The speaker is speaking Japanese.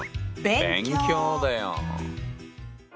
勉強だよ。